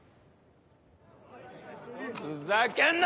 ふざけんな！